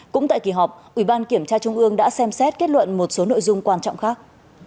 cũng tại kỳ họp ủy ban kiểm tra trung ương đã xem xét kết luận một số nội dung quan trọng khác